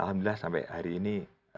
alhamdulillah sampai hari ini